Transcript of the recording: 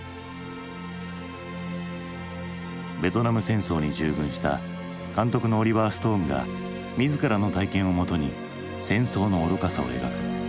ベトナム戦争に従軍した監督のオリバー・ストーンが自らの体験をもとに戦争の愚かさを描く。